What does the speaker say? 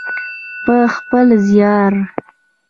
په خپل زیار.